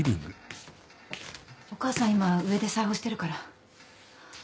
お母さん今上で裁縫してるから。